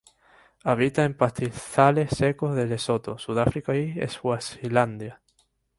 Habita en pastizales secos de Lesoto, Sudáfrica y Swazilandia.